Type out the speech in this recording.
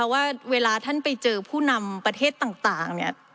ว่าเวลาท่านไปเจอผู้นำประเทศต่างเนี่ย